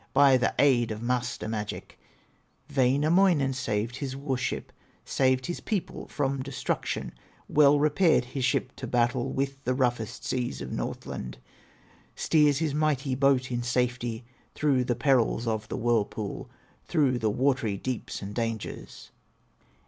By the aid of master magic, Wainamoinen saved his war ship, Saved his people from destruction, Well repaired his ship to battle With the roughest seas of Northland; Steers his mighty boat in safety Through the perils of the whirlpool, Through the watery deeps and dangers.